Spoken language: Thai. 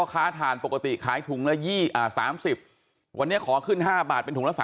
ค้าถ่านปกติขายถุงละ๓๐วันนี้ขอขึ้น๕บาทเป็นถุงละ๓๐